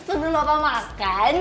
sebelum bapak makan